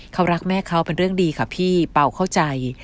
เขารักแม่เขาเป็นเรื่องดีค่ะพี่เป่าเข้าใจ